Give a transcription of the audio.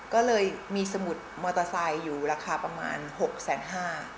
ก็เลยมีสมุดมอเตอร์ไซค์อยู่ราคาประมาณ๖๕๐๐บาท